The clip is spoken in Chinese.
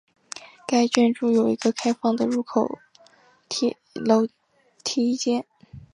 该建筑有一个开放的入口楼梯间。